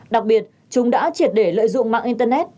đặc biệt chúng đã triệt để lợi dụng mạng internet